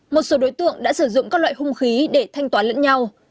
một số đối tượng đã sử dụng các loại hung khí để thanh toán lẫn nhau